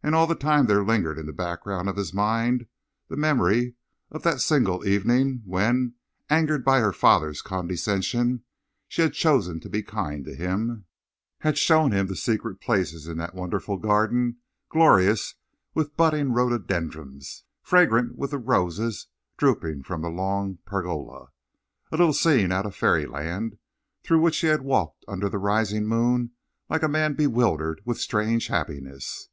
And all the time there lingered in the background of his mind the memory of that single evening when, angered by her father's condescension, she had chosen to be kind to him; had shown him the secret places in that wonderful garden, glorious with budding rhododendrons, fragrant with the roses drooping from the long pergola, a little scene out of fairyland, through which he had walked under the rising moon like a man bewildered with strange happiness.